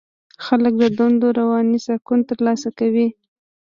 خلک له دندو رواني سکون ترلاسه کوي.